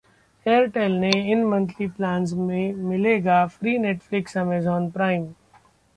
Airtel के इन monthly plans में मिलेगा फ्री Netflix-Amazon Prime